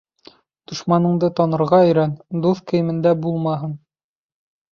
Дошманыңды танырға өйрән, дуҫ кейемендә булмаһын.